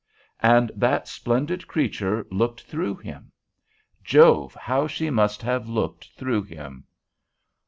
And that splendid creature looked through him. Jove! how she must have looked through him!